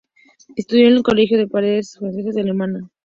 Estudió en el Colegio de los Padres Franceses de la Alameda.